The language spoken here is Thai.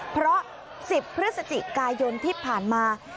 เพราะ๑๐พฤศจิกายนที่ผ่านมา